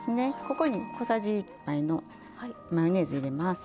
ここに小さじ１杯のマヨネーズ入れます。